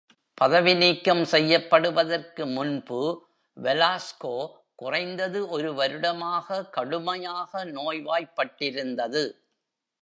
பதவி நீக்கம் செய்யப்படுவதற்கு முன்பு, வெலாஸ்கோ குறைந்தது ஒரு வருடமாக கடுமையாக நோய்வாய்ப்பட்டிருந்தது.